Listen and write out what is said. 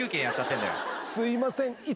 すいません。